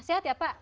sehat ya pak